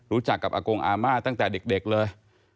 รู้จักกับอากงอาม่าตั้งแต่เด็กเลย